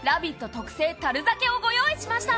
特製樽酒をご用意しました。